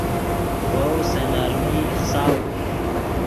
ڤؤ سے نرمی ایخساؤ